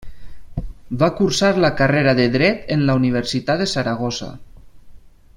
Va cursar la carrera de Dret en la Universitat de Saragossa.